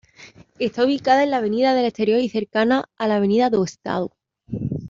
Está ubicada en la Avenida del Exterior y cercana a la Avenida do Estado.